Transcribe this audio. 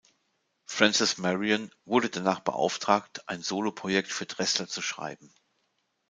Frances Marion wurde danach beauftragt, ein Soloprojekt für Dressler zu schreiben.